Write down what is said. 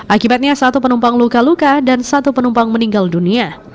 akibatnya satu penumpang luka luka dan satu penumpang meninggal dunia